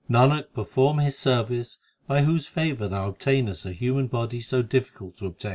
Nanak, perform His service By whose favour thou obtainest a human body so difficult to obtain.